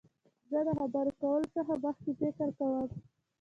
زه د خبرو کولو څخه مخکي فکر کوم.